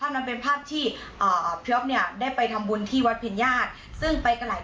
แล้วเป็นภาพที่พี่นายได้ไปทำบุญที่วัดผิดญาติซึ่งไปกับหลาย